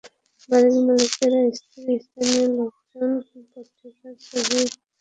বাড়ির মালিকের স্ত্রী, স্থানীয় লোকজন পত্রিকায় ছবি দেখে তাঁদের শনাক্ত করেছেন।